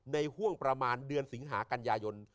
ห่วงประมาณเดือนสิงหากัญญายน